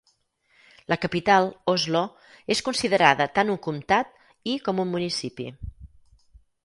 La capital, Oslo, és considerada tant un comtat i com un municipi.